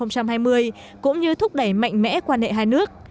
cũng như thúc đẩy mạnh mẽ quan hệ hai nước